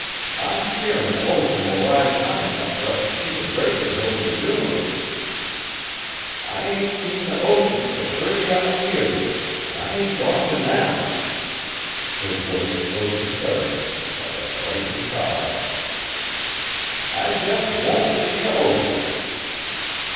I'm fearin' the ocean will rise high enough fur us t' see the breakers over the dunes! I ain't seen the ocean fur thirty odd years, an' I ain't goin' t' now!" Her voice rose hysterically, like a frightened child's. "I jest won't see the ocean!"